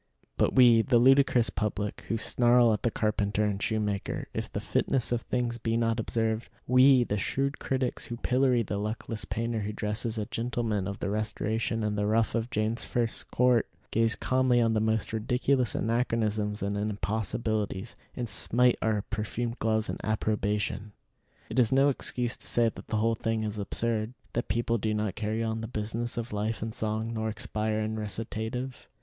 But we, the ludicrous public, who snarl at the carpenter and shoemaker if the fitness of things be not observed; we, the shrewd critics, who pillory the luckless painter who dresses a gentleman of the Restoration in the ruff of James First's court, gaze calmly on the most ridiculous anachronisms and impossibilities, and smite our perfumed gloves in approbation. It is no excuse to say that the whole thing is absurd; that people do not carry on the business of life in song, nor expire in recitative.